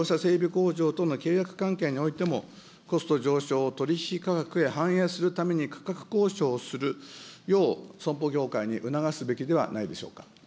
工場との契約関係においても、コスト上昇を取り引き価格へ反映するために価格交渉をするよう、損保業界に促すべきではないでしょうか。